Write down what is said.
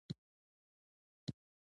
بدخشان د افغانستان د طبیعي پدیدو یو رنګ دی.